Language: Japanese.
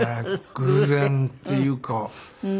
偶然っていうか。